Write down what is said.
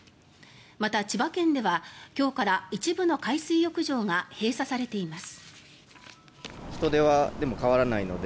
また、千葉県では今日から一部の海水浴場が閉鎖されています。